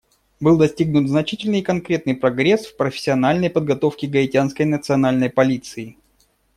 Был достигнут значительный и конкретный прогресс в профессиональной подготовке Гаитянской национальной полиции.